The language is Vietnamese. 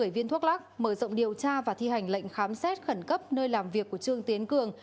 một mươi viên thuốc lắc mở rộng điều tra và thi hành lệnh khám xét khẩn cấp nơi làm việc của trương tiến cường